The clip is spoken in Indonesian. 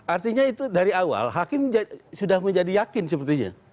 artinya itu dari awal hakim sudah menjadi yakin sepertinya